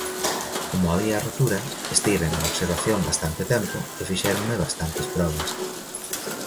Como había rotura, estiven en observación bastante tempo e fixéronme bastantes probas.